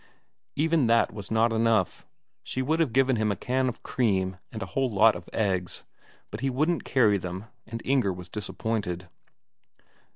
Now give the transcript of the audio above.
Even that was not enough; she would have given him a can of cream and a whole lot of eggs, but he wouldn't carry them, and Inger was disappointed.